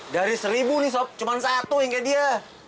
dari seribu nih sob cuma satu yang kayak dia